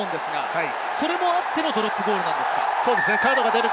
それもあってのドロップゴールなんですか？